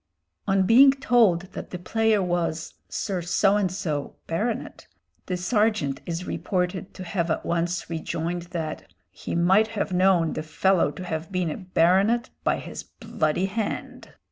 On being told that the player was Sir So and So, Bart., the serjeant is reported to have at once rejoined that "he might have known the fellow to have been a baronet by his bloody hand!"